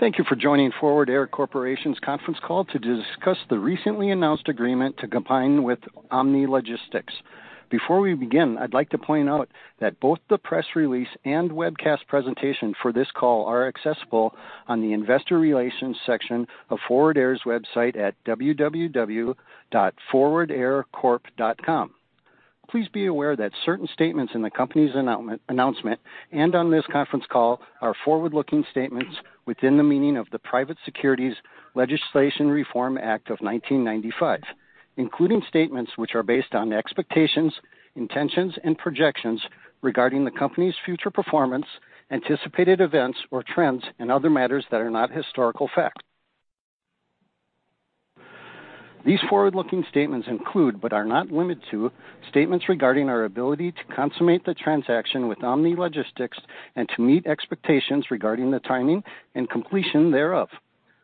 Thank you for joining Forward Air Corporation's conference call to discuss the recently announced agreement to combine with Omni Logistics. Before we begin, I'd like to point out that both the press release and webcast presentation for this call are accessible on the Investor Relations section of Forward Air's website at www.forwardaircorp.com. Please be aware that certain statements in the company's announcement and on this conference call are forward-looking statements within the meaning of the Private Securities Litigation Reform Act of 1995, including statements which are based on expectations, intentions, and projections regarding the company's future performance, anticipated events or trends, and other matters that are not historical facts. These forward-looking statements include, but are not limited to, statements regarding our ability to consummate the transaction with Omni Logistics and to meet expectations regarding the timing and completion thereof,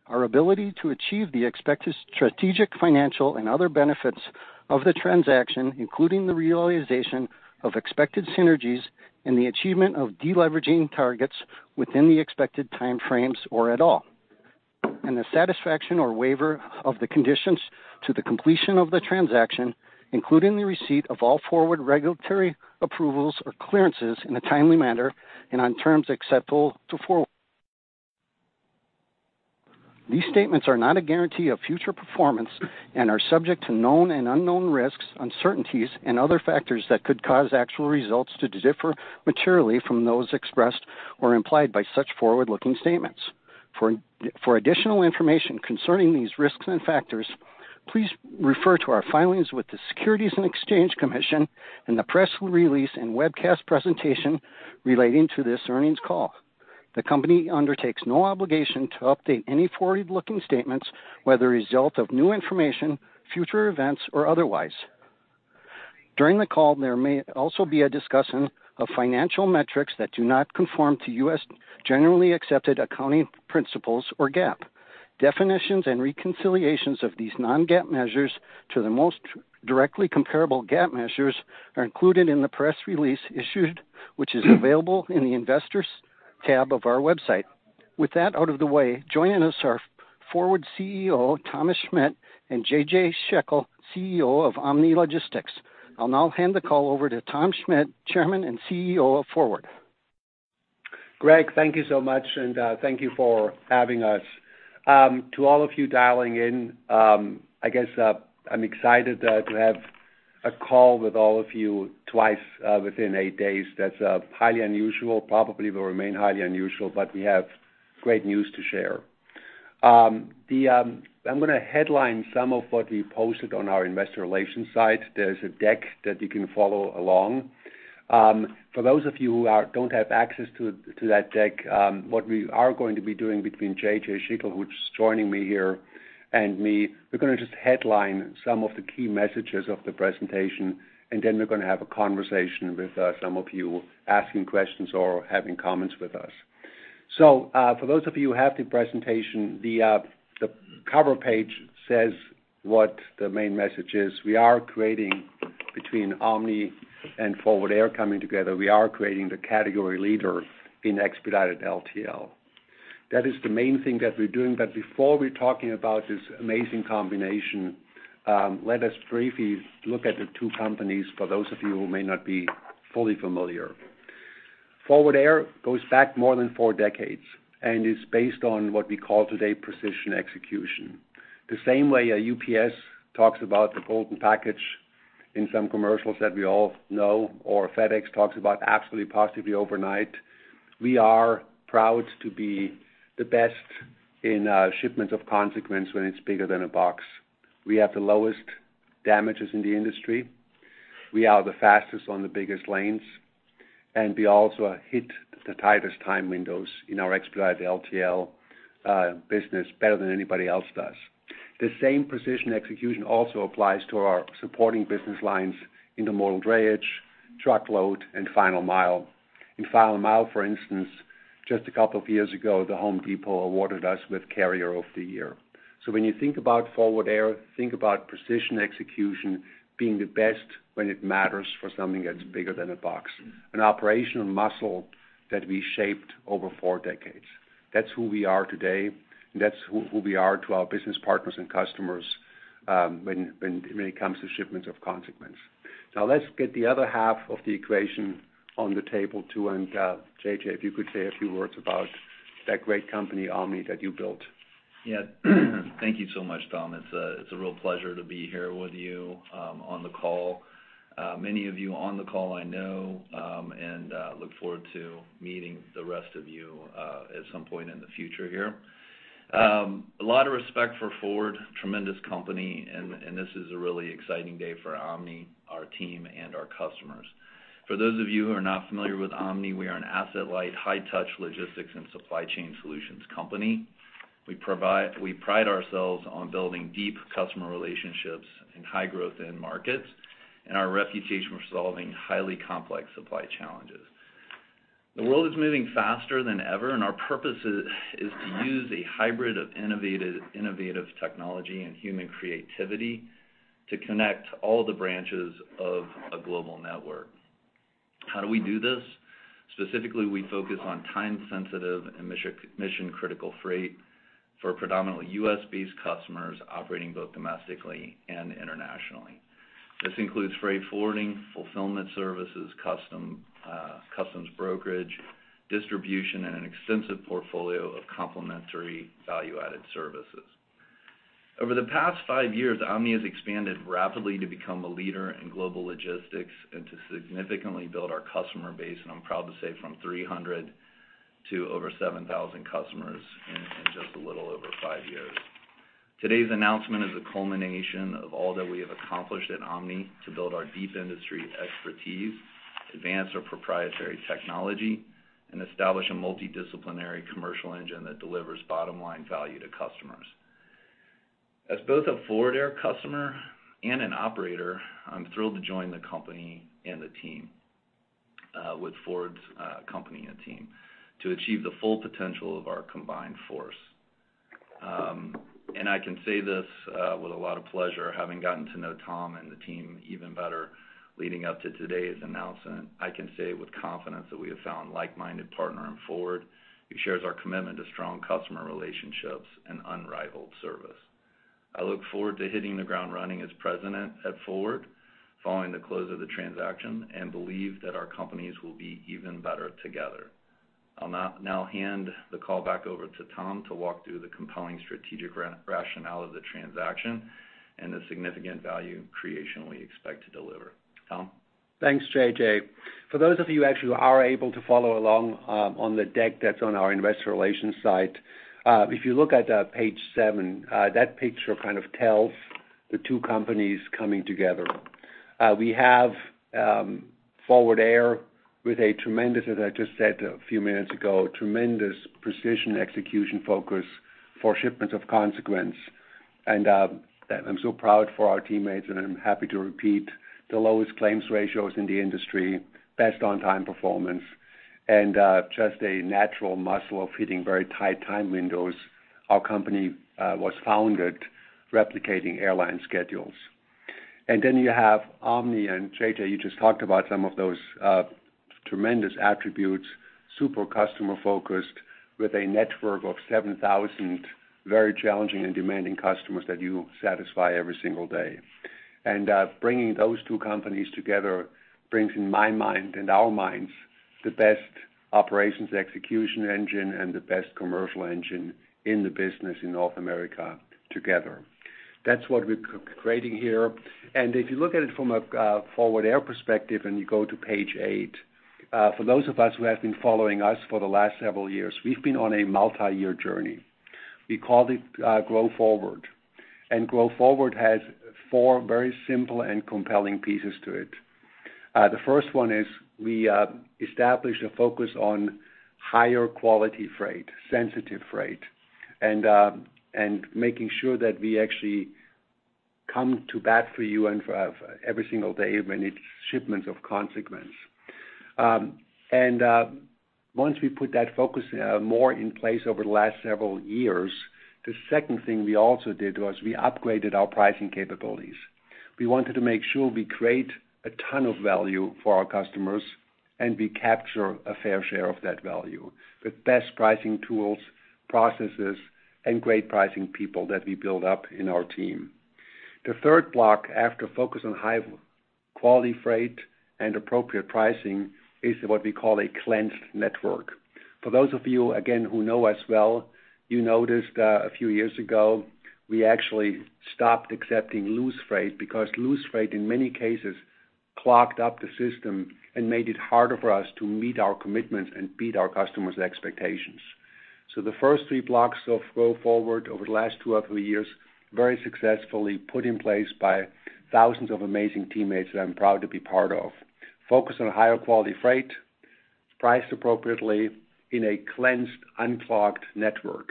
our ability to achieve the expected strategic, financial, and other benefits of the transaction, including the realization of expected synergies and the achievement of deleveraging targets within the expected time frames or at all, and the satisfaction or waiver of the conditions to the completion of the transaction, including the receipt of all forward regulatory approvals or clearances in a timely manner and on terms acceptable to Forward. These statements are not a guarantee of future performance and are subject to known and unknown risks, uncertainties, and other factors that could cause actual results to differ materially from those expressed or implied by such forward-looking statements. For additional information concerning these risks and factors, please refer to our filings with the Securities and Exchange Commission and the press release and webcast presentation relating to this earnings call. The company undertakes no obligation to update any forward-looking statements, whether a result of new information, future events, or otherwise. During the call, there may also be a discussion of financial metrics that do not conform to U.S. Generally Accepted Accounting Principles, or GAAP. Definitions and reconciliations of these non-GAAP measures to the most directly comparable GAAP measures are included in the press release issued, which is available in the Investors tab of our website. With that out of the way, joining us are Forward CEO, Tom Schmitt, and JJ Schickel, CEO of Omni Logistics. I'll now hand the call over to Tom Schmitt, Chairman and CEO of Forward. Greg, thank you so much. Thank you for having us. To all of you dialing in, I guess, I'm excited to have a call with all of you twice within 8 days. That's highly unusual. Probably will remain highly unusual. We have great news to share. The, I'm going to headline some of what we posted on our investor relations site. There's a deck that you can follow along. For those of you who are-- don't have access to, to that deck, what we are going to be doing between JJ Schickel, who's joining me here, and me, we're going to just headline some of the key messages of the presentation, and then we're going to have a conversation with some of you asking questions or having comments with us. For those of you who have the presentation, the cover page says what the main message is. We are creating between Omni and Forward Air coming together, we are creating the category leader in expedited LTL. That is the main thing that we're doing. Before we're talking about this amazing combination, let us briefly look at the two companies, for those of you who may not be fully familiar. Forward Air goes back more than four decades and is based on what we call today, precision execution. The same way a UPS talks about the golden package in some commercials that we all know, or FedEx talks about absolutely, positively overnight, we are proud to be the best in shipments of consequence when it's bigger than a box. We have the lowest damages in the industry. We are the fastest on the biggest lanes, and we also hit the tightest time windows in our expedited LTL business better than anybody else does. The same precision execution also applies to our supporting business lines in the intermodal drayage, truckload, and final mile. In final mile, for instance, just a couple of years ago, The Home Depot awarded us with Carrier of the Year. When you think about Forward Air, think about precision execution being the best when it matters for something that's bigger than a box, an operational muscle that we shaped over 4 decades. That's who we are today, and that's who we are to our business partners and customers when it comes to shipments of consequence. Now, let's get the other half of the equation on the table, too, and JJ, if you could say a few words about that great company, Omni, that you built. Yeah. Thank you so much, Tom. It's a, it's a real pleasure to be here with you on the call. Many of you on the call I know, and look forward to meeting the rest of you at some point in the future here. A lot of respect for Forward, tremendous company, and this is a really exciting day for Omni, our team, and our customers. For those of you who are not familiar with Omni, we are an asset-light, high-touch logistics and supply chain solutions company. We pride ourselves on building deep customer relationships in high-growth end markets and our reputation for solving highly complex supply challenges. The world is moving faster than ever- Our purpose is, is to use a hybrid of innovative, innovative technology and human creativity to connect all the branches of a global network. How do we do this? Specifically, we focus on time-sensitive and mission, mission-critical freight for predominantly US-based customers operating both domestically and internationally. This includes freight forwarding, fulfillment services, customs brokerage, distribution, and an extensive portfolio of complementary value-added services. Over the past 5 years, Omni has expanded rapidly to become a leader in global logistics and to significantly build our customer base, and I'm proud to say, from 300 to over 7,000 customers in, in just a little over 5 years. Today's announcement is a culmination of all that we have accomplished at Omni to build our deep industry expertise, advance our proprietary technology, and establish a multidisciplinary commercial engine that delivers bottom-line value to customers. As both a Forward Air customer and an operator, I'm thrilled to join the company and the team, with Forward's company and team, to achieve the full potential of our combined force. I can say this with a lot of pleasure, having gotten to know Tom and the team even better leading up to today's announcement, I can say with confidence that we have found like-minded partner in Forward, who shares our commitment to strong customer relationships and unrivaled service. I look forward to hitting the ground running as President at Forward, following the close of the transaction, and believe that our companies will be even better together. I'll now hand the call back over to Tom to walk through the compelling strategic rationale of the transaction and the significant value creation we expect to deliver. Tom? Thanks, JJ. For those of you actually who are able to follow along, on the deck that's on our investor relations site, if you look at page 7, that picture kind of tells the two companies coming together. We have Forward Air with a tremendous, as I just said a few minutes ago, tremendous precision execution focus for shipments of consequence. I'm so proud for our teammates, and I'm happy to repeat the lowest claims ratios in the industry, best on-time performance, and just a natural muscle of hitting very tight time windows. Our company was founded replicating airline schedules. You have Omni, and JJ, you just talked about some of those tremendous attributes, super customer-focused, with a network of 7,000 very challenging and demanding customers that you satisfy every single day. Bringing those two companies together brings, in my mind, in our minds, the best operations execution engine and the best commercial engine in the business in North America together. That's what we're creating here. If you look at it from a Forward Air perspective, and you go to page eight, for those of us who have been following us for the last several years, we've been on a multi-year journey. We called it Grow Forward, and Grow Forward has four very simple and compelling pieces to it. The first one is we established a focus on higher quality freight, sensitive freight, and making sure that we actually come to bat for you and for every single day when it's shipments of consequence. Once we put that focus more in place over the last several years, the second thing we also did was we upgraded our pricing capabilities. We wanted to make sure we create a ton of value for our customers, and we capture a fair share of that value, with best pricing tools, processes, and great pricing people that we build up in our team. The third block, after focus on high quality freight and appropriate pricing, is what we call a cleansed network. For those of you, again, who know us well, you noticed a few years ago, we actually stopped accepting loose freight because loose freight, in many cases, clogged up the system and made it harder for us to meet our commitments and beat our customers' expectations. The first three blocks of Grow Forward over the last two or three years, very successfully put in place by thousands of amazing teammates that I'm proud to be part of. Focus on higher quality freight, priced appropriately in a cleansed, unclogged network.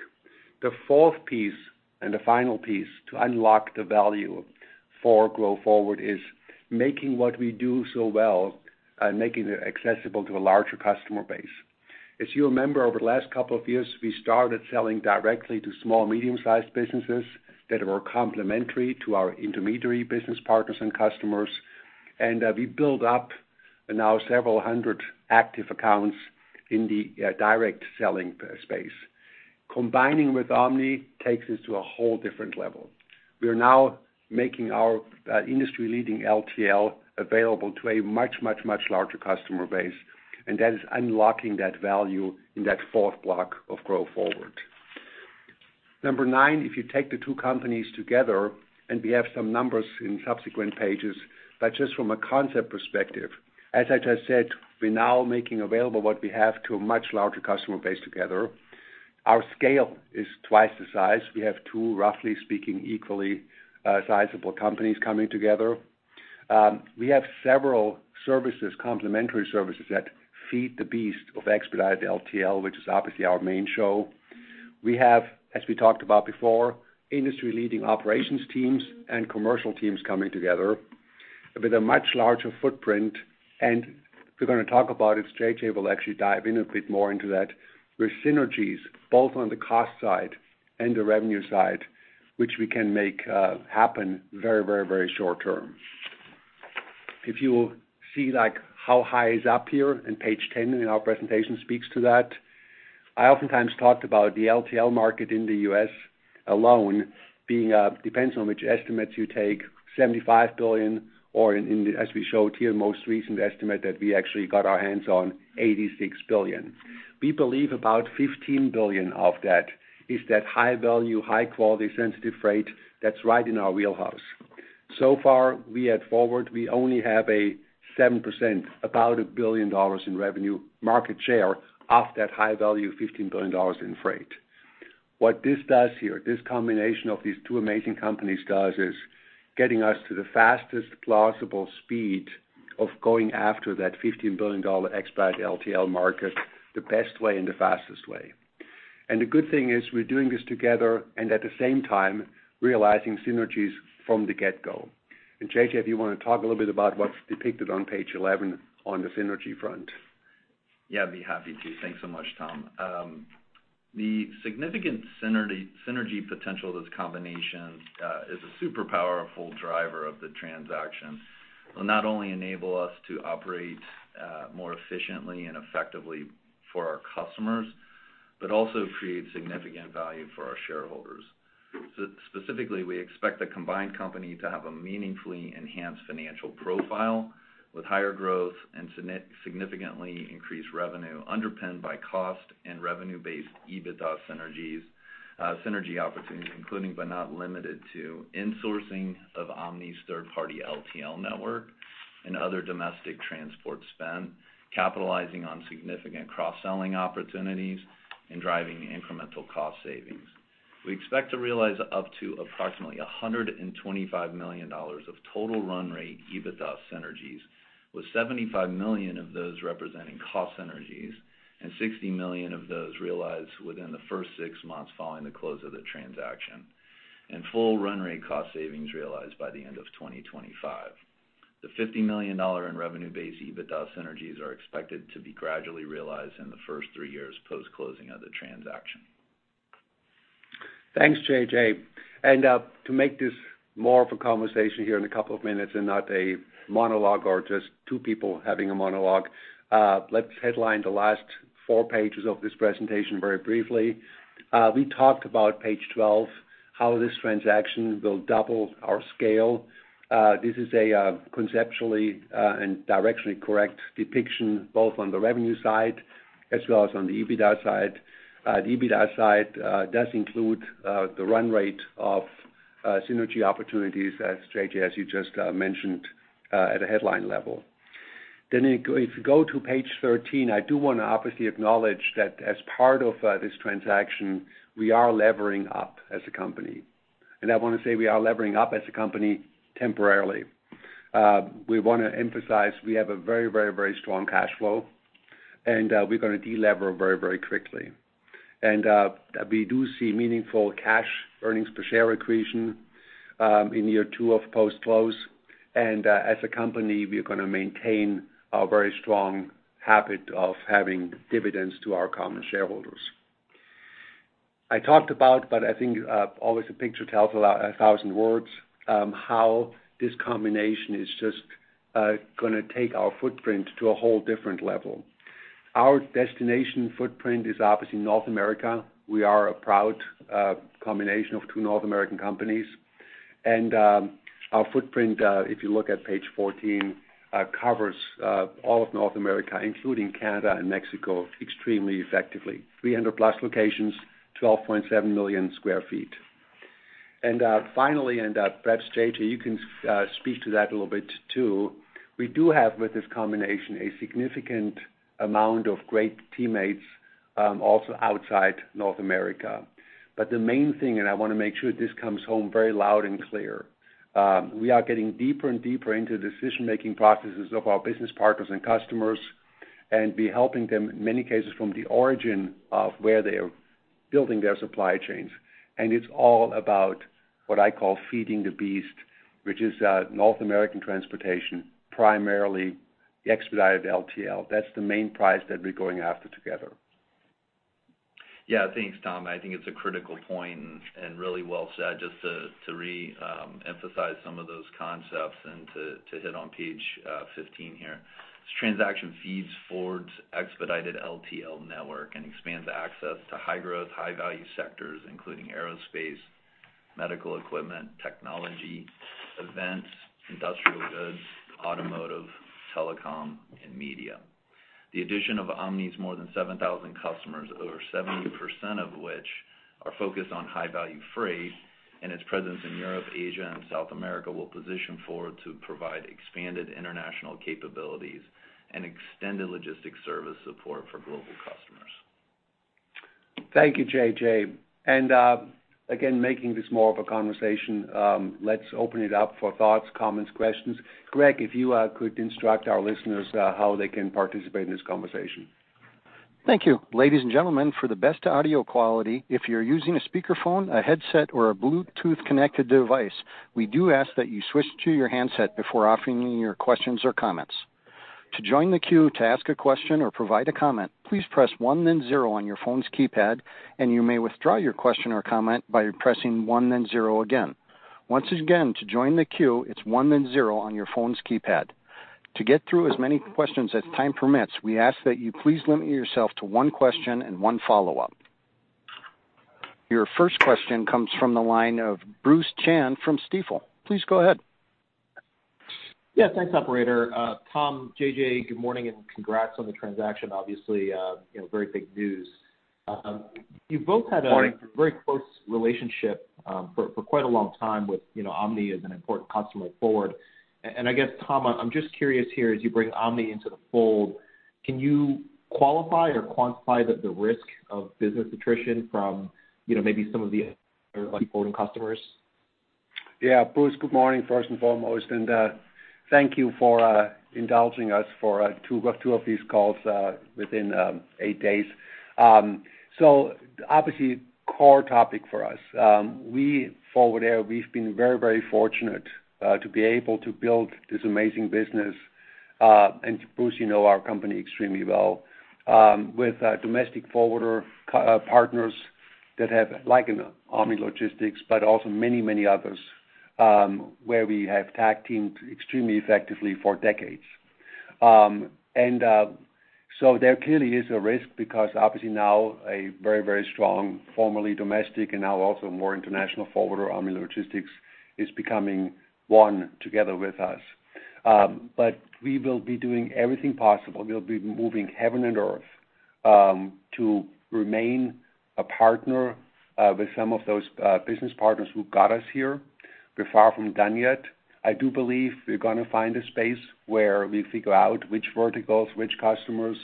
The fourth piece, and the final piece, to unlock the value for Grow Forward is making what we do so well and making it accessible to a larger customer base. As you remember, over the last couple of years, we started selling directly to small, medium-sized businesses that were complementary to our intermediary business partners and customers, we built up now several hundred active accounts in the direct selling space. Combining with Omni takes this to a whole different level. We are now making our industry-leading LTL available to a much, much, much larger customer base. That is unlocking that value in that fourth block of Grow Forward. Number 9, if you take the two companies together, we have some numbers in subsequent pages, but just from a concept perspective, as I just said, we're now making available what we have to a much larger customer base together. Our scale is twice the size. We have two, roughly speaking, equally sizable companies coming together. We have several services, complementary services, that feed the beast of expedited LTL, which is obviously our main show. We have, as we talked about before, industry-leading operations teams and commercial teams coming together with a much larger footprint. We're going to talk about it. JJ will actually dive in a bit more into that, with synergies, both on the cost side and the revenue side, which we can make happen very, very, very short term. If you see, like, how high is up here, and page 10 in our presentation speaks to that, I oftentimes talked about the LTL market in the US alone being, depends on which estimates you take, $75 billion, or in, in the, as we showed here, most recent estimate that we actually got our hands on, $86 billion. We believe about $15 billion of that is that high value, high quality, sensitive freight that's right in our wheelhouse. So far, we at Forward, we only have a 7%, about a $1 billion in revenue market share of that high value, $15 billion in freight. What this does here, this combination of these two amazing companies does, is getting us to the fastest plausible speed of going after that $15 billion expedited LTL market, the best way and the fastest way. The good thing is, we're doing this together, and at the same time, realizing synergies from the get-go. JJ, if you want to talk a little bit about what's depicted on page 11 on the synergy front. Yeah, I'd be happy to. Thanks so much, Tom. The significant synergy, synergy potential of this combination, is a super powerful driver of the transaction. It will not only enable us to operate more efficiently and effectively for our customers, but also create significant value for our shareholders. Specifically, we expect the combined company to have a meaningfully enhanced financial profile, with higher growth and significantly increased revenue, underpinned by cost and revenue-based EBITDA synergies, synergy opportunities, including but not limited to insourcing of Omni's third-party LTL network and other domestic transport spend, capitalizing on significant cross-selling opportunities and driving incremental cost savings. We expect to realize up to approximately $125 million of total run rate EBITDA synergies, with $75 million of those representing cost synergies and $60 million of those realized within the first 6 months following the close of the transaction, and full run rate cost savings realized by the end of 2025. The $50 million dollar in revenue-based EBITDA synergies are expected to be gradually realized in the first 3 years post-closing of the transaction. Thanks, JJ. To make this more of a conversation here in a couple of minutes and not a monologue or just two people having a monologue, let's headline the last four pages of this presentation very briefly. We talked about page 12, how this transaction will double our scale. This is a conceptually and directionally correct depiction, both on the revenue side as well as on the EBITDA side. The EBITDA side does include the run rate of synergy opportunities, as JJ, as you just mentioned, at a headline level. If you go to page 13, I do want to obviously acknowledge that as part of this transaction, we are levering up as a company. I want to say we are levering up as a company temporarily. We want to emphasize we have a very, very, very strong cash flow, and we're going to delever very, very quickly. We do see meaningful cash earnings per share accretion in year 2 of post-close. As a company, we are going to maintain our very strong habit of having dividends to our common shareholders. I talked about, but I think always a picture tells a 1,000 words, how this combination is just going to take our footprint to a whole different level. Our destination footprint is obviously North America. We are a proud combination of two North American companies, and our footprint, if you look at page 14, covers all of North America, including Canada and Mexico, extremely effectively. 300+ locations, 12.7 million sq ft. Finally, perhaps, JJ, you can speak to that a little bit, too. We do have, with this combination, a significant amount of great teammates, also outside North America. The main thing, and I want to make sure this comes home very loud and clear, we are getting deeper and deeper into the decision-making processes of our business partners and customers, and be helping them, in many cases, from the origin of where they are building their supply chains. It's all about what I call feeding the beast, which is North American transportation, primarily the expedited LTL. That's the main prize that we're going after together. Yeah, thanks, Tom. I think it's a critical point and really well said. Just to, to re emphasize some of those concepts and to, to hit on page 15 here. This transaction feeds Forward's expedited LTL network and expands access to high-growth, high-value sectors, including aerospace, medical equipment, technology, events, industrial goods, automotive, telecom, and media. The addition of Omni's more than 7,000 customers, over 70% of which are focused on high-value freight, and its presence in Europe, Asia, and South America, will position Forward to provide expanded international capabilities and extended logistics service support for global customers. Thank you, JJ. Again, making this more of a conversation, let's open it up for thoughts, comments, questions. Greg, if you could instruct our listeners, how they can participate in this conversation. Thank you. Ladies and gentlemen, for the best audio quality, if you're using a speakerphone, a headset, or a Bluetooth-connected device, we do ask that you switch to your handset before offering your questions or comments. To join the queue to ask a question or provide a comment, please press 1 then 0 on your phone's keypad, and you may withdraw your question or comment by pressing 1 then 0 again. Once again, to join the queue, it's 1 then 0 on your phone's keypad. To get through as many questions as time permits, we ask that you please limit yourself to 1 question and 1 follow-up. Your first question comes from the line of Bruce Chan from Stifel. Please go ahead. Yeah, thanks, Operator. Tom, JJ, good morning, and congrats on the transaction. Obviously, you know, very big news. You both had- Morning. a very close relationship, for, for quite a long time with, you know, Omni as an important customer Forward. I guess, Tom, I'm just curious here, as you bring Omni into the fold, can you qualify or quantify the, the risk of business attrition from, you know, maybe some of the like, Forward customers? Yeah. Bruce, good morning, first and foremost, and thank you for indulging us for two, two of these calls within 8 days. Obviously, core topic for us. We, Forward Air, we've been very, very fortunate to be able to build this amazing business. Bruce, you know our company extremely well, with domestic forwarder co-- partners that have, like an Omni Logistics, but also many, many others, where we have tag-teamed extremely effectively for decades. There clearly is a risk because obviously now a very, very strong, formerly domestic and now also more international forwarder, Omni Logistics, is becoming one together with us. We will be doing everything possible. We'll be moving heaven and earth to remain a partner with some of those business partners who got us here. We're far from done yet. I do believe we're going to find a space where we figure out which verticals, which customers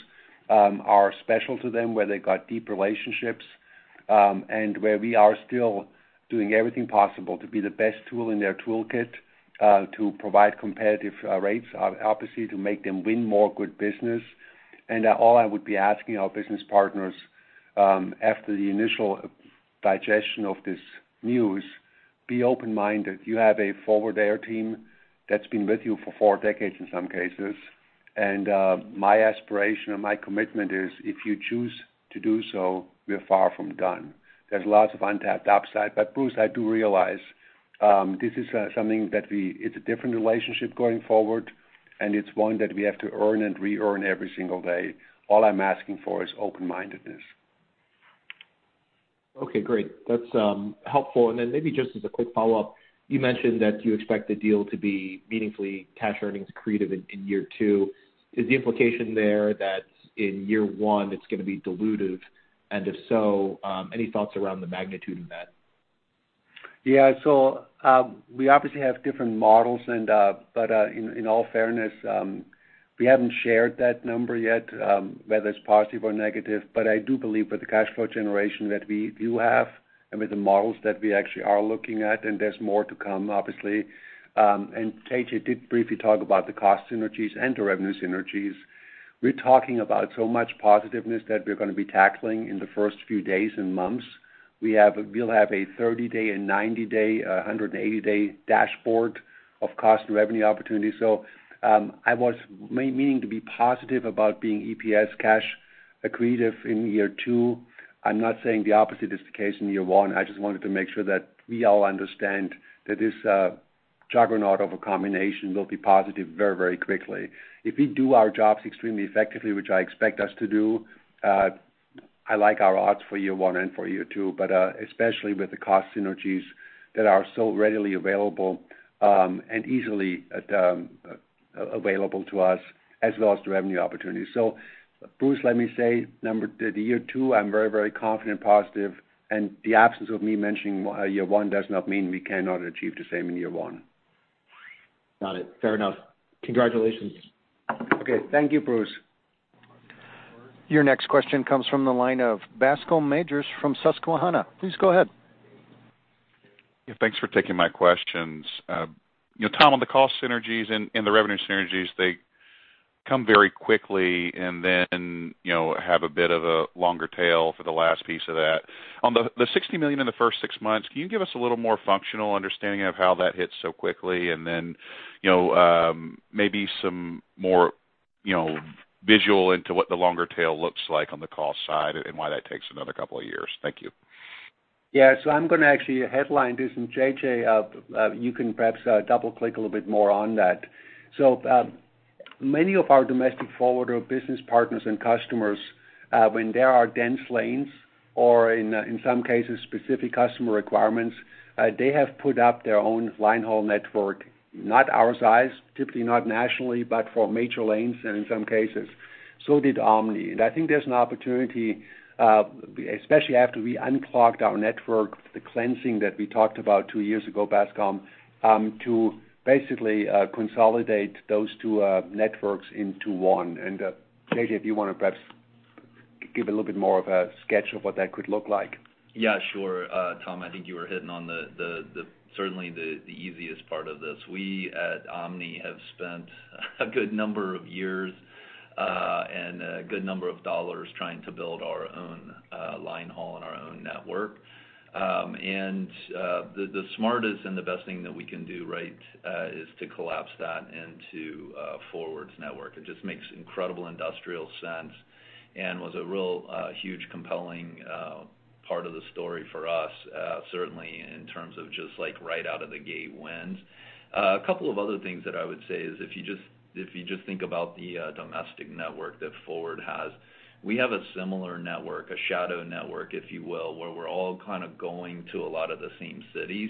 are special to them, where they got deep relationships, and where we are still doing everything possible to be the best tool in their toolkit to provide competitive rates, obviously, to make them win more good business. All I would be asking our business partners, after the initial digestion of this news, be open-minded. You have a Forward Air team that's been with you for four decades in some cases, and my aspiration and my commitment is, if you choose to do so, we're far from done. There's lots of untapped upside. Bruce, I do realize, this is something that it's a different relationship going forward, and it's one that we have to earn and re-earn every single day. All I'm asking for is open-mindedness. Okay, great. That's, helpful. Then maybe just as a quick follow-up, you mentioned that you expect the deal to be meaningfully cash earnings accretive in, in year two. Is the implication there that in year one, it's going to be dilutive? If so, any thoughts around the magnitude of that? Yeah. We obviously have different models, but in all fairness, we haven't shared that number yet, whether it's positive or negative. I do believe with the cash flow generation that we do have and with the models that we actually are looking at, and there's more to come, obviously. JJ did briefly talk about the cost synergies and the revenue synergies. We're talking about so much positiveness that we're going to be tackling in the first few days and months. We'll have a 30-day and 90-day, 180-day dashboard of cost and revenue opportunities. I was meaning to be positive about being EPS cash accretive in year 2. I'm not saying the opposite is the case in year 1. I just wanted to make sure that we all understand that this juggernaut of a combination will be positive very, very quickly. If we do our jobs extremely effectively, which I expect us to do, I like our odds for year one and for year two, but especially with the cost synergies that are so readily available, and easily available to us, as well as the revenue opportunities. Bruce, let me say, number, the year two, I'm very, very confident, positive, and the absence of me mentioning year one does not mean we cannot achieve the same in year one. Got it. Fair enough. Congratulations. Okay. Thank you, Bruce. Your next question comes from the line of Bascome Majors from Susquehanna. Please go ahead. Yeah, thanks for taking my questions. you know, Tom, on the cost synergies and, and the revenue synergies, they come very quickly and then, you know, have a bit of a longer tail for the last piece of that. On the, the $60 million in the first 6 months, can you give us a little more functional understanding of how that hits so quickly? Then, you know, maybe some more, you know, visual into what the longer tail looks like on the cost side and why that takes another 2 years. Thank you. Yeah. I'm going to actually headline this, and JJ, you can perhaps double-click a little bit more on that. Many of our domestic forwarder business partners and customers, when there are dense lanes or in, in some cases, specific customer requirements, they have put up their own line haul network, not our size, typically not nationally, but for major lanes, and in some cases, so did Omni. I think there's an opportunity, especially after we unclogged our network, the cleansing that we talked about two years ago, Bascome, to basically consolidate those two networks into one. JJ, if you want to perhaps elaborate, give a little bit more of a sketch of what that could look like? Yeah, sure. Tom, I think you were hitting on the, the, the, certainly the, the easiest part of this. We at Omni have spent a good number of years, and a good number of dollars trying to build our own, line haul and our own network. The, the smartest and the best thing that we can do, right, is to collapse that into, Forward's network. It just makes incredible industrial sense and was a real, huge, compelling, part of the story for us, certainly in terms of just like right out of the gate wins. A couple of other things that I would say is, if you just, if you just think about the domestic network that Forward has, we have a similar network, a shadow network, if you will, where we're all kind of going to a lot of the same cities.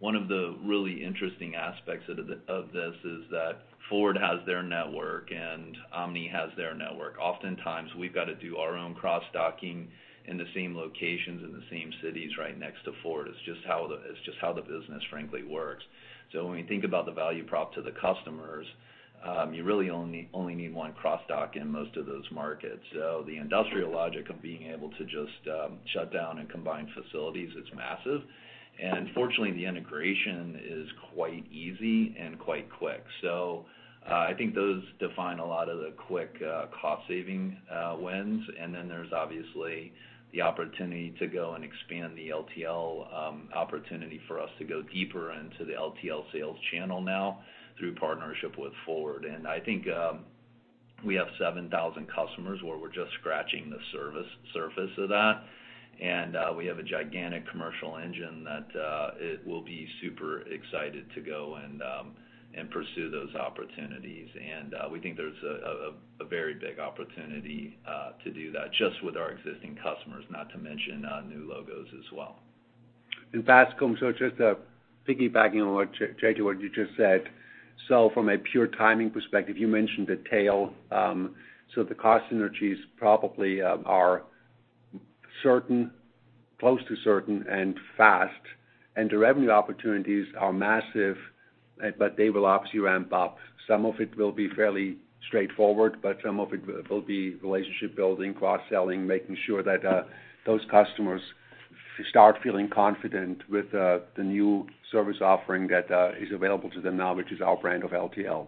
One of the really interesting aspects of this is that Forward has their network, and Omni has their network. Oftentimes, we've got to do our own cross-docking in the same locations, in the same cities, right next to Forward. It's just how the, it's just how the business frankly works. When you think about the value prop to the customers, you really only, only need one cross-dock in most of those markets. The industrial logic of being able to just shut down and combine facilities is massive. Fortunately, the integration is quite easy and quite quick. I think those define a lot of the quick, cost saving, wins. Then there's obviously the opportunity to go and expand the LTL opportunity for us to go deeper into the LTL sales channel now through partnership with Forward. I think, we have 7,000 customers, where we're just scratching the service, surface of that. We have a gigantic commercial engine that, it will be super excited to go and pursue those opportunities. We think there's a, a, a very big opportunity to do that just with our existing customers, not to mention, new logos as well. Bascome, so just piggybacking on what, JJ, what you just said. From a pure timing perspective, you mentioned the tail. The cost synergies probably are certain, close to certain and fast, and the revenue opportunities are massive, but they will obviously ramp up. Some of it will be fairly straightforward, but some of it will, will be relationship building, cross-selling, making sure that those customers start feeling confident with the new service offering that is available to them now, which is our brand of LTL.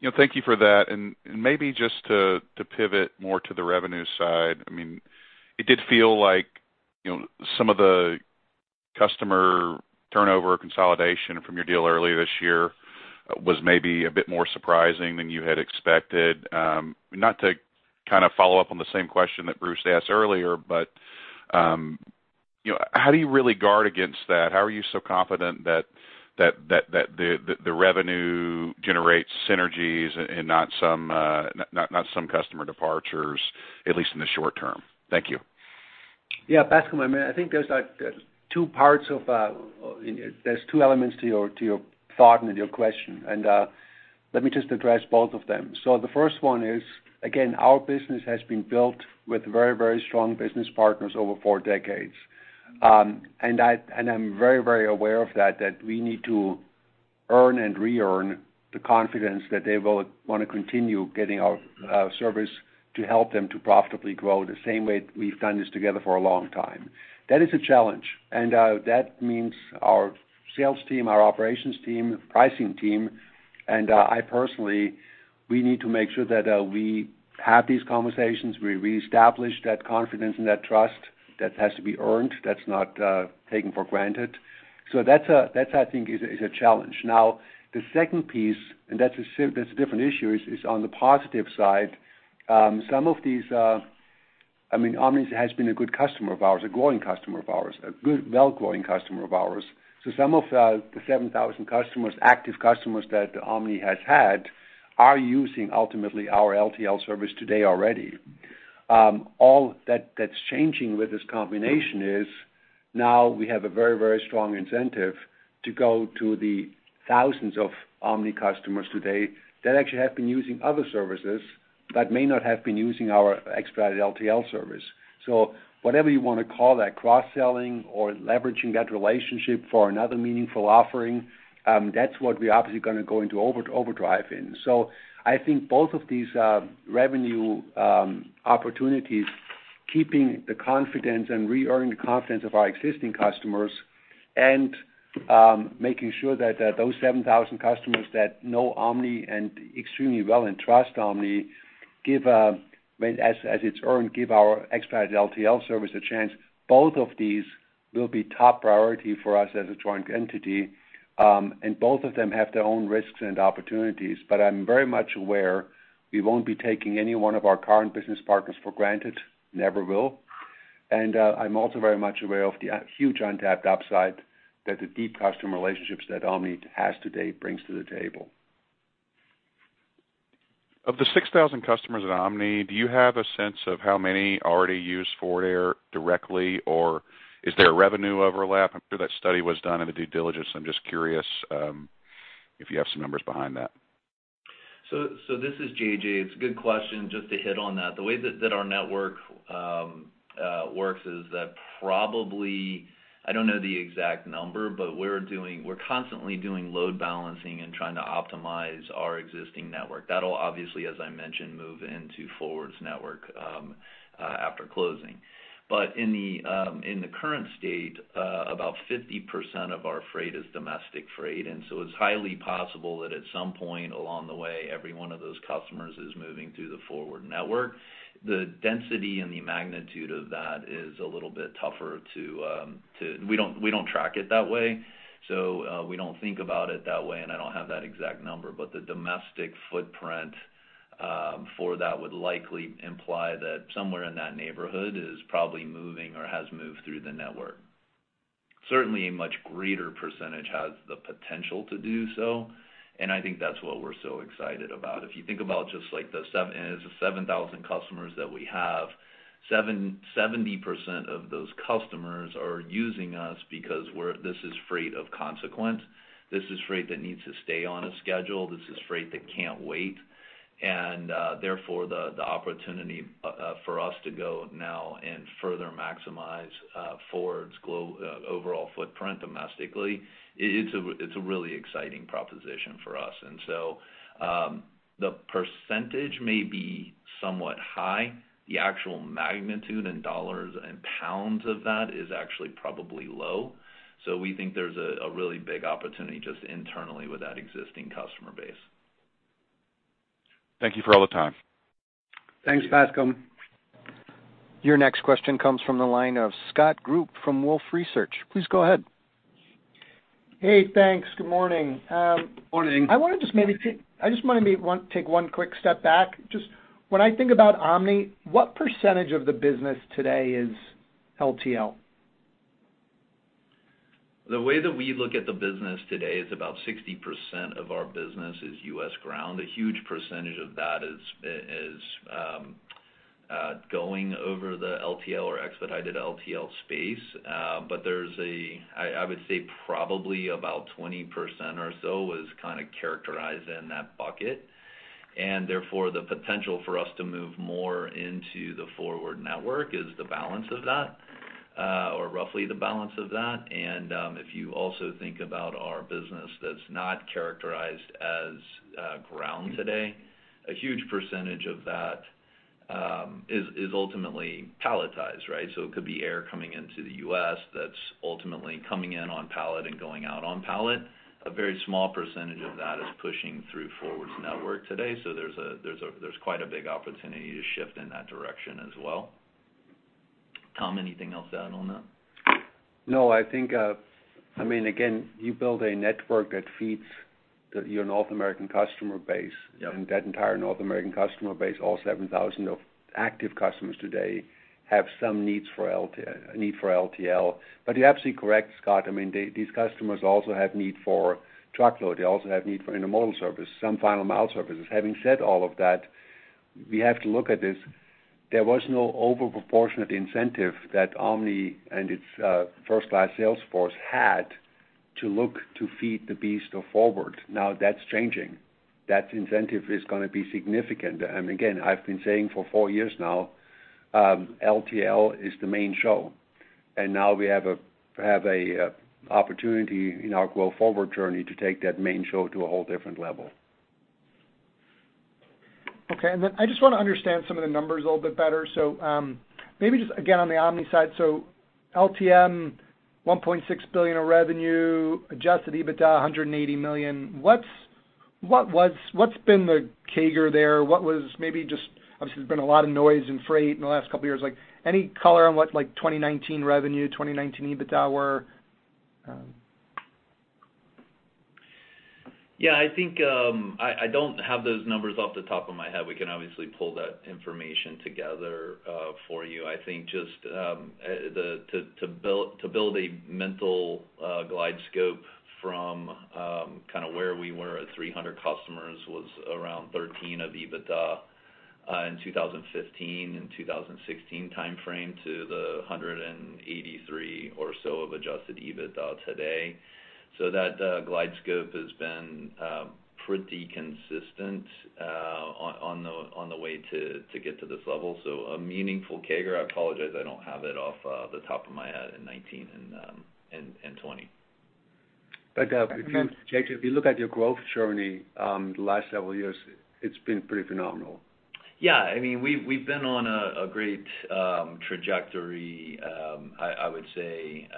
You know, thank you for that. Maybe just to, to pivot more to the revenue side, I mean, it did feel like, you know, some of the customer turnover consolidation from your deal earlier this year was maybe a bit more surprising than you had expected. Not to kind of follow up on the same question that Bruce asked earlier, you know, how do you really guard against that? How are you so confident that, that, that, that the, the, the revenue generates synergies and not some, not, not some customer departures, at least in the short term? Thank you. Yeah, Bascome, I mean, I think there's, like, two parts of, there's two elements to your, to your thought and your question, and let me just address both of them. The first one is, again, our business has been built with very, very strong business partners over four decades. I, and I'm very, very aware of that, that we need to earn and re-earn the confidence that they will want to continue getting our service to help them to profitably grow, the same way we've done this together for a long time. That is a challenge, and that means our sales team, our operations team, pricing team, and I personally, we need to make sure that we have these conversations, we reestablish that confidence and that trust that has to be earned, that's not taken for granted. That's a, that's, I think, is a, is a challenge. The second piece, and that's a different issue, is, is on the positive side. Some of these... I mean, Omni has been a good customer of ours, a growing customer of ours, a good, well-growing customer of ours. Some of the, the 7,000 customers, active customers that Omni has had, are using ultimately our LTL service today already. All that that's changing with this combination is now we have a very, very strong incentive to go to the thousands of Omni customers today that actually have been using other services, but may not have been using our expanded LTL service. Whatever you want to call that, cross-selling or leveraging that relationship for another meaningful offering, that's what we are obviously going to go into overdrive in. I think both of these revenue opportunities, keeping the confidence and re-earning the confidence of our existing customers, and making sure that those 7,000 customers that know Omni Logistics extremely well and trust Omni Logistics, give as, as it's earned, give our expanded LTL service a chance. Both of these will be top priority for us as a joint entity, and both of them have their own risks and opportunities. I'm very much aware we won't be taking any one of our current business partners for granted, never will. I'm also very much aware of the huge untapped upside that the deep customer relationships that Omni Logistics has today brings to the table. Of the 6,000 customers at Omni, do you have a sense of how many already use Forward Air directly, or is there a revenue overlap? I'm sure that study was done in the due diligence. I'm just curious, if you have some numbers behind that? This is JJ. It's a good question. Just to hit on that, the way that, that our network works is that probably, I don't know the exact number, but we're constantly doing load balancing and trying to optimize our existing network. That'll obviously, as I mentioned, move into Forward's network after closing. In the current state, about 50% of our freight is domestic freight, and so it's highly possible that at some point along the way, every one of those customers is moving through the Forward network. The density and the magnitude of that is a little bit tougher to, we don't, we don't track it that way, so, we don't think about it that way, and I don't have that exact number. The domestic footprint for that would likely imply that somewhere in that neighborhood is probably moving or has moved through the network. Certainly, a much greater % has the potential to do so, and I think that's what we're so excited about. If you think about just like the 7, it's the 7,000 customers that we have, 70% of those customers are using us because we're this is freight of consequence. This is freight that needs to stay on a schedule. This is freight that can't wait. Therefore, the opportunity for us to go now and further maximize Forward's overall footprint domestically, it's a really exciting proposition for us. The % may be somewhat high. The actual magnitude in dollars and pounds of that is actually probably low. we think there's a really big opportunity just internally with that existing customer base. Thank you for all the time. Thanks, Bascome. Your next question comes from the line of Scott Group from Wolfe Research. Please go ahead. Hey, thanks. Good morning. Morning. I just want to maybe take one quick step back. Just when I think about Omni, what percentage of the business today is LTL? The way that we look at the business today is about 60% of our business is US ground. A huge percentage of that is, is going over the LTL or expedited LTL space, but there's I, I would say probably about 20% or so is kind of characterized in that bucket, and therefore, the potential for us to move more into the forward network is the balance of that, or roughly the balance of that. If you also think about our business that's not characterized as, ground today, a huge percentage of that, is, is ultimately palletized, right? So it could be air coming into the US that's ultimately coming in on pallet and going out on pallet. A very small percentage of that is pushing through Forward's network today, so there's quite a big opportunity to shift in that direction as well. Tom, anything else to add on that? No, I think, I mean, again, you build a network that feeds your North American customer base. Yep. That entire North American customer base, all 7,000 of active customers today, have some needs for a need for LTL. You're absolutely correct, Scott. I mean, these customers also have need for truckload. They also have need for intermodal service, some final mile services. Having said all of that, we have to look at this. There was no overproportionate incentive that Omni and its first-class sales force had to look to feed the beast of Forward. That's changing. That incentive is going to be significant. Again, I've been saying for four years now, LTL is the main show, and now we have a opportunity in our go-forward journey to take that main show to a whole different level. Okay. I just want to understand some of the numbers a little bit better. Maybe just again, on the Omni side. LTM, $1.6 billion of revenue, adjusted EBITDA, $180 million. What's been the CAGR there? What was maybe just... Obviously, there's been a lot of noise in freight in the last couple of years. Like, any color on what, like, 2019 revenue, 2019 EBITDA were? Yeah, I think, I, I don't have those numbers off the top of my head. We can obviously pull that information together for you. I think just the to build, to build a mental glide scope from kind of where we were at 300 customers was around $13 of EBITDA in 2015 and 2016 timeframe to the $183 or so of adjusted EBITDA today. That glide scope has been pretty consistent on, on the, on the way to get to this level. A meaningful CAGR. I apologize, I don't have it off the top of my head in 2019 and and 2020. JJ, if you look at your growth journey, the last several years, it's been pretty phenomenal. Yeah. I mean, we've, we've been on a, a great trajectory, I, I would say,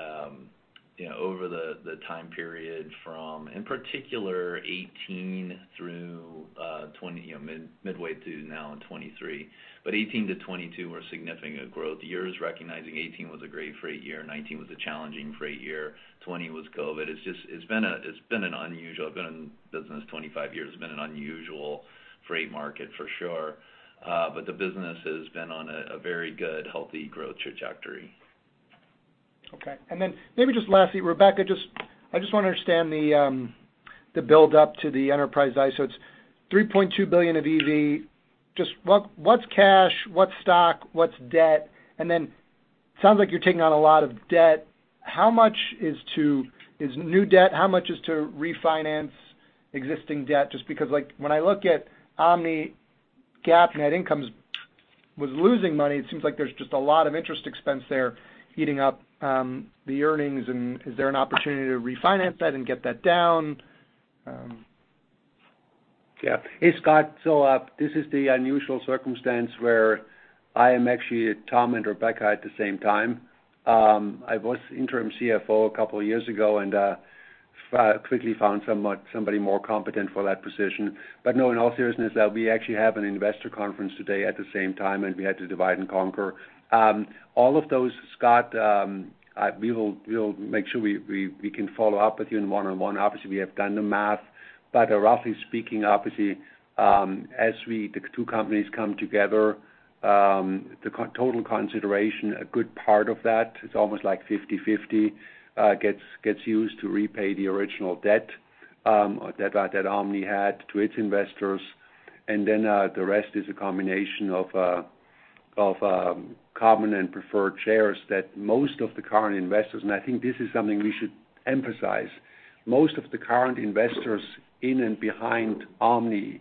you know, over the time period from, in particular, 2018 through 2020, you know, midway through now and 2023. 2018 to 2022 were significant growth years, recognizing 2018 was a great freight year, 2019 was a challenging freight year, 2020 was COVID. It's been a, it's been an unusual... I've been in business 25 years. It's been an unusual freight market for sure, but the business has been on a, a very good, healthy growth trajectory. Okay. Then maybe just lastly, Rebecca, I just want to understand the, the build up to the enterprise value. So it's $3.2 billion of EV. Just what, what's cash, what's stock, what's debt? Then, sounds like you're taking on a lot of debt. How much is to, is new debt? How much is to refinance existing debt? Just because, like, when I look at Omni GAAP net income was losing money, it seems like there's just a lot of interest expense there eating up, the earnings. Is there an opportunity to refinance that and get that down? Yeah. Hey, Scott. This is the unusual circumstance where I am actually Tom and Rebecca at the same time. I was interim CFO a couple of years ago and quickly found someone, somebody more competent for that position. No, in all seriousness, though, we actually have an investor conference today at the same time, and we had to divide and conquer. All of those, Scott, we will make sure we can follow up with you in one-on-one. Obviously, we have done the math, roughly speaking, obviously, as the two companies come together, the total consideration, a good part of that, it's almost like 50/50, gets used to repay the original debt that Omni had to its investors. The rest is a combination of, of common and preferred shares that most of the current investors, and I think this is something we should emphasize. Most of the current investors in and behind Omni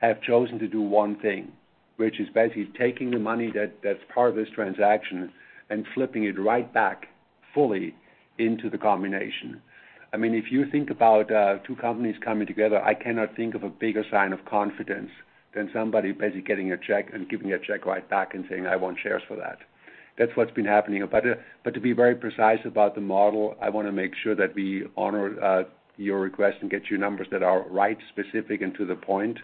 have chosen to do one thing, which is basically taking the money that's part of this transaction and flipping it right back fully into the combination. I mean, if you think about two companies coming together, I cannot think of a bigger sign of confidence than somebody basically getting a check and giving a check right back and saying, "I want shares for that." That's what's been happening. But to be very precise about the model, I want to make sure that we honor your request and get you numbers that are right, specific, and to the point.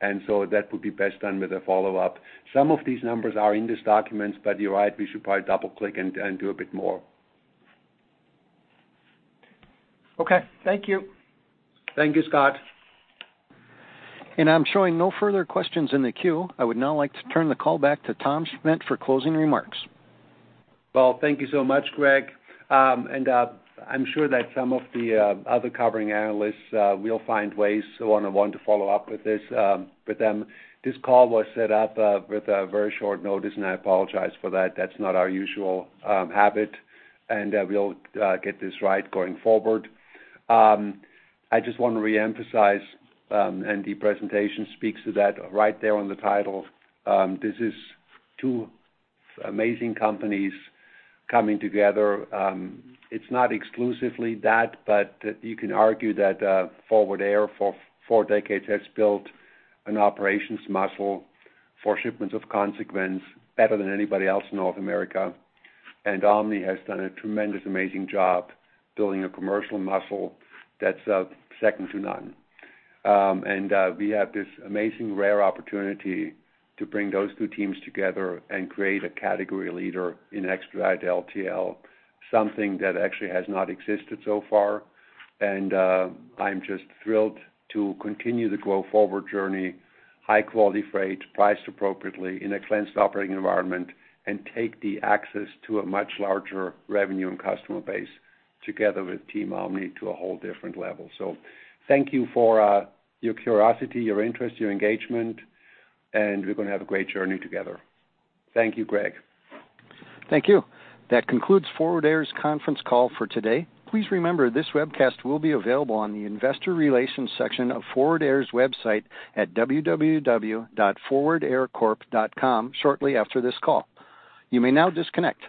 That would be best done with a follow-up. Some of these numbers are in these documents, but you're right, we should probably double-click and, and do a bit more. Okay. Thank you. Thank you, Scott. I'm showing no further questions in the queue. I would now like to turn the call back to Tom Schmitt for closing remarks. Well, thank you so much, Greg. And I'm sure that some of the other covering analysts will find ways to one-on-one to follow up with this with them. This call was set up with very short notice, and I apologize for that. That's not our usual habit, and we'll get this right going forward. I just want to reemphasize, and the presentation speaks to that right there on the title. This is two amazing companies coming together. It's not exclusively that, but you can argue that Forward Air for four decades has built an operations muscle for shipments of consequence better than anybody else in North America. Omni has done a tremendous, amazing job building a commercial muscle that's second to none. We have this amazing, rare opportunity to bring those two teams together and create a category leader in expedited LTL, something that actually has not existed so far. I'm just thrilled to continue the growth forward journey, high-quality freight, priced appropriately in a cleansed operating environment, and take the access to a much larger revenue and customer base together with Team Omni to a whole different level. Thank you for your curiosity, your interest, your engagement, and we're going to have a great journey together. Thank you, Greg. Thank you. That concludes Forward Air's conference call for today. Please remember, this webcast will be available on the Investor Relations section of Forward Air's website at www.forwardaircorp.com shortly after this call. You may now disconnect.